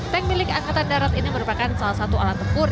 tank milik angkatan darat ini merupakan salah satu alat tempur